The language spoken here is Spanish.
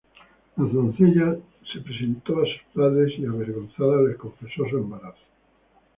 La doncella se presentó a sus padres y, avergonzada, les confesó su embarazo.